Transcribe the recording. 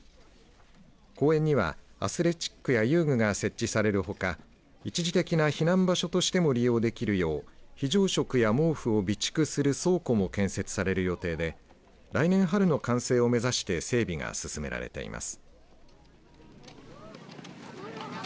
公園にはアスレチックや遊具が設置されるほか一時的な避難場所としても利用できるよう非常食や毛布を備蓄する倉庫も建築される予定で来年春の完成を目指して整備が進められています。